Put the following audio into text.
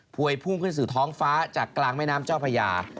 วยพุ่งขึ้นสู่ท้องฟ้าจากกลางแม่น้ำเจ้าพญา